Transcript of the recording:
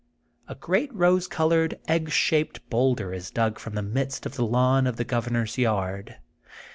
A great rose colored, egg shaped boulder is dug from the midst of the lawn of the Gov ernor 's yard.